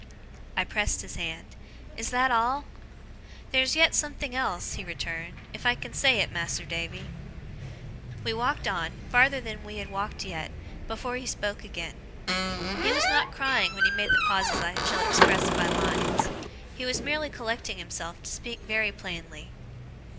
I pressed his hand. 'Is that all?' 'Theer's yet a something else,' he returned, 'if I can say it, Mas'r Davy.' We walked on, farther than we had walked yet, before he spoke again. He was not crying when he made the pauses I shall express by lines. He was merely collecting himself to speak very plainly.